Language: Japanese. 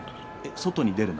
外に出るな？